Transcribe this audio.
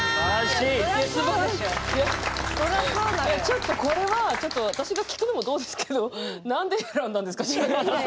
ちょっとこれは私が聞くのもどうですけど何で選んだんですか？